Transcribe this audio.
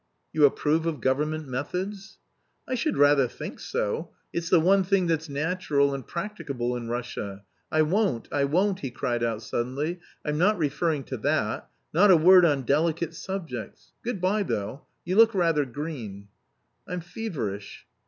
"You approve of government methods?" "I should rather think so! It's the one thing that's natural and practicable in Russia.... I won't... I won't," he cried out suddenly, "I'm not referring to that not a word on delicate subjects. Good bye, though, you look rather green." "I'm feverish."